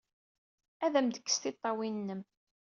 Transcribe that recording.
Ad am-d-tekkes tiṭṭawin-nnem!